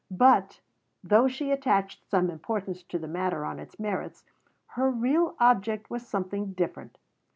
But, though she attached some importance to the matter on its merits, her real object was something different.